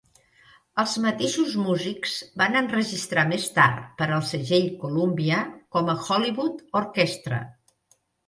Els mateixos músics van enregistrar més tard per al segell Columbia com a Hollywood Orchestra.